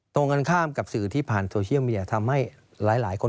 ตรงกันข้ามกับสื่อที่ผ่านโซเชียลมีเดียทำให้หลายคน